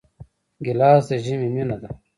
ګیلاس د ژمي مینه ده.